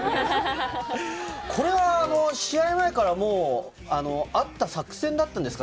これは試合前からもうあった作戦だったんですか？